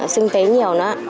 sưng tấy nhiều nữa